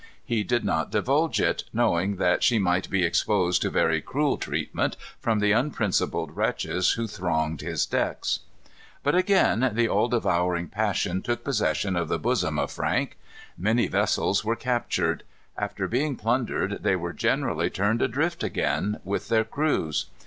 He did not divulge it, knowing that she might be exposed to very cruel treatment from the unprincipled wretches who thronged his decks. But again the all devouring passion took possession of the bosom of Frank. Many vessels were captured. After being plundered they were generally turned adrift again, with their crews.